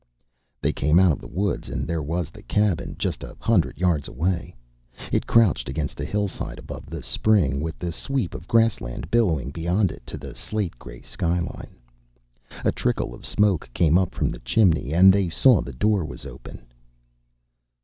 They came out of the woods and there was the cabin, just a hundred yards away. It crouched against the hillside above the spring, with the sweep of grassland billowing beyond it to the slate gray skyline. A trickle of smoke came up from the chimney and they saw the door was open.